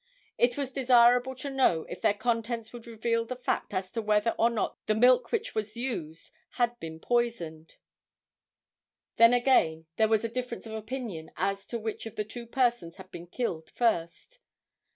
It was desirable to know if their contents would reveal the fact as to whether or not the milk which was used, had been poisoned. Then again there was a difference of opinion as to which of the two persons had been killed first.